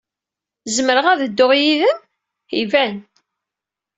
Zemreɣ ad dduɣ yid-m? Iban!